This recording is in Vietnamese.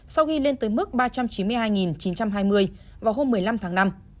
sau khi lên tới mức ba trăm chín mươi hai chín trăm hai mươi vào hôm một mươi năm tháng năm